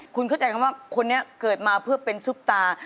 คุณเข้าใจคำว่าคนนี้เกิดมาเพื่อเป็นซุปตา